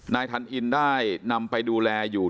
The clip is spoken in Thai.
ทันอินได้นำไปดูแลอยู่